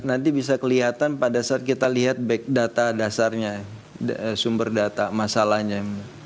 nanti bisa kelihatan pada saat kita lihat data dasarnya sumber data masalahnya